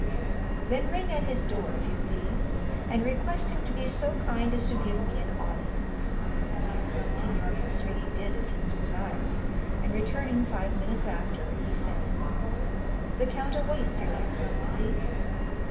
"Then ring at his door, if you please, and request him to be so kind as to give me an audience." Signor Pastrini did as he was desired, and returning five minutes after, he said: "The count awaits your excellency."